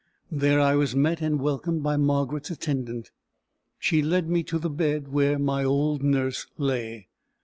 There I was met and welcomed by Margaret's attendant. She led me to the bed where my old nurse lay.